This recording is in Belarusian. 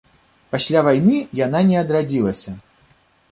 Пасля вайны яна не адрадзілася.